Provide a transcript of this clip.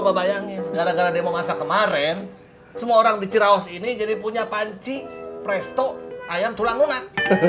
coba bayangin gara gara demo masa kemarin semua orang di cirawas ini jadi punya panci presto ayam tulang lunak